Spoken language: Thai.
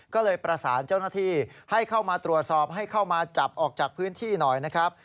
ก็เลยประสานเจ้าหน้าที่ให้เข้ามาตรวจสอบให้เข้ามาจับออกจากพื้นที่หน่อยนะครับ